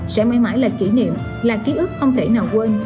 sẽ mãi mãi là kỷ niệm là ký ức không thể nào quên